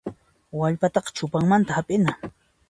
Wallpataqa chupanmanta hap'ina.